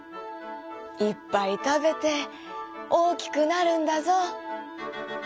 「いっぱいたべておおきくなるんだぞ」。